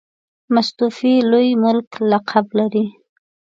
مستوفي لوی ملک لقب لري.